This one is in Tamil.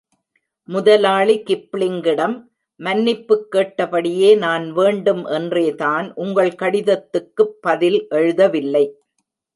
முதலாளி கிப்ளிங்கிடம் மன்னிப்புக் கேட்டபடியே நான் வேண்டும் என்றேதான் உங்கள் கடிதத்துக்குப் பதில் எழுதவில்லை.